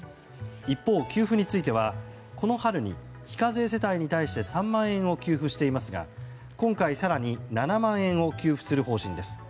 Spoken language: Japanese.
一方、給付についてはこの春に非課税世帯に対して３万円を給付していますが今回、更に７万円を給付する方針です。